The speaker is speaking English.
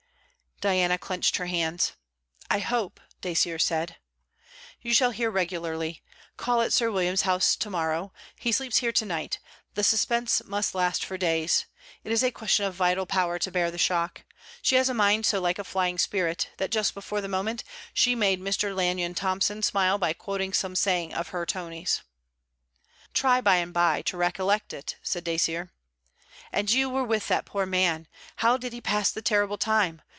Diana clenched her hands. 'I hope!' Dacier said. 'You shall hear regularly. Call at Sir William's house to morrow. He sleeps here to night. The suspense must last for days. It is a question of vital power to bear the shock. She has a mind so like a flying spirit that, just before the moment, she made Mr. Lanyan Thomson smile by quoting some saying of her Tony's.' 'Try by and by to recollect it,' said Dacier. 'And you were with that poor man! How did he pass the terrible time?